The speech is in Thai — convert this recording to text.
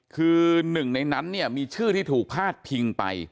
คือหนึ่งในนั้นเนี่ยมีชื่อที่ถูกพาดพิงไป